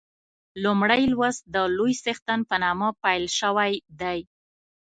لومړی لوست د لوی څښتن په نامه پیل شوی دی.